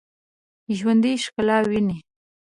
ژوندي ښکلا ویني